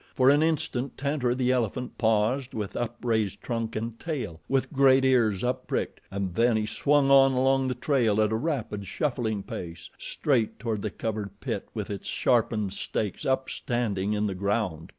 For an instant Tantor, the elephant, paused with upraised trunk and tail, with great ears up pricked, and then he swung on along the trail at a rapid, shuffling pace straight toward the covered pit with its sharpened stakes upstanding in the ground.